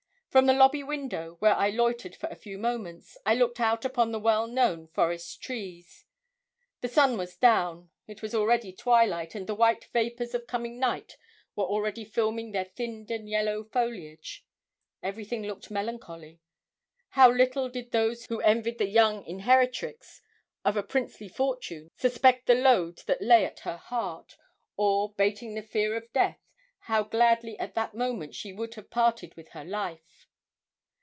From the lobby window, where I loitered for a few moments, I looked out upon the well known forest trees. The sun was down. It was already twilight, and the white vapours of coming night were already filming their thinned and yellow foliage. Everything looked melancholy. How little did those who envied the young inheritrex of a princely fortune suspect the load that lay at her heart, or, bating the fear of death, how gladly at that moment she would have parted with her life!